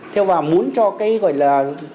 theo bà muốn cho cái gọi là